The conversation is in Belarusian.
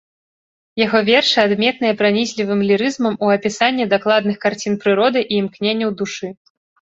Яго вершы адметныя пранізлівым лірызмам у апісанні дакладных карцін прыроды і імкненняў душы.